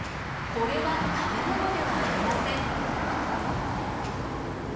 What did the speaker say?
これはたべものではありません。